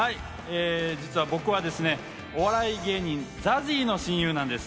実は僕はお笑い芸人・ＺＡＺＹの親友なんです。